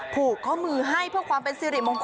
ผูกข้อมือให้เพื่อความเป็นสิริมงคล